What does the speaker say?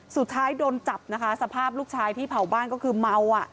สุดท้ายโดนจับนะคะสภาพลูกชายที่เผาบ้านก็คือเมาอ่ะ